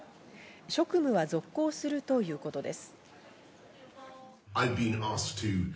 職務は続行するということです。